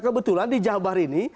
kebetulan di jabar ini